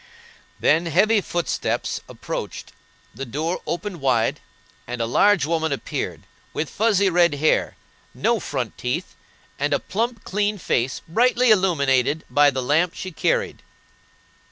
] Then heavy footsteps approached, the door opened wide, and a large woman appeared, with fuzzy red hair, no front teeth, and a plump, clean face, brightly illuminated by the lamp she carried.